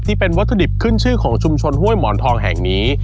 เป็นวัตถุดิบขึ้นชื่อของชุมชนห้วยหมอนทองแห่งนี้